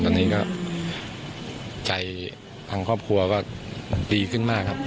ตอนนี้ก็ใจทางครอบครัวก็ดีขึ้นมากครับ